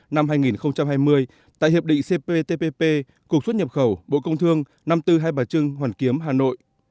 năm hai nghìn hai mươi tại hiệp định cptpp cục xuất nhập khẩu bộ công thương năm mươi bốn hai bà trưng hoàn kiếm hà nội